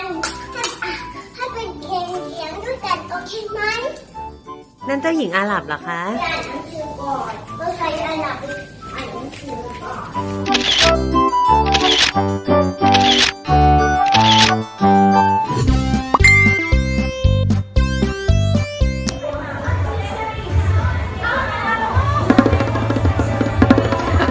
ในกรุงติดตามทางนี้ที่เราอยู่ค่อนข้างเป็นเกาะลายน้ำร้อนสิ่งที่เราต้องการชอบ